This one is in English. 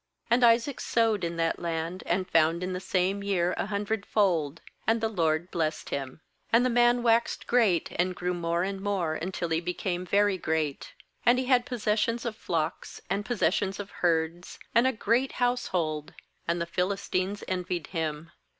^And Isaac sowed in that land, and found in the same year a hundredfold; and the LORD blessed Mm. ^And the man waxed great, and grew more and more until he became very great. 14And he had possessions of flocks, and possessions of herds, and a great household; and the Philistines envied him.